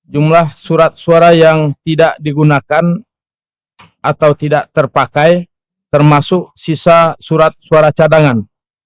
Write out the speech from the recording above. jumlah surat suara yang tidak digunakan atau tidak terpakai termasuk sisa surat suara cadangan